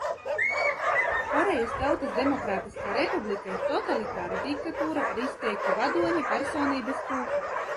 Korejas Tautas Demokrātiskā Republika ir totalitāra diktatūra ar izteiktu vadoņa personības kultu.